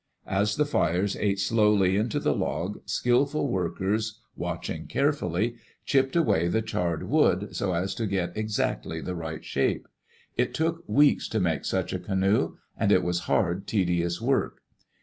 As the fires ate slowly into the log, skillful workers, watching carefully, chipped away the charred wood, so as to get exactly the right shape. It took weeks to make such a canoe, and it was hard, tedious work.